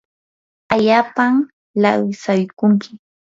allapam lawsaykunki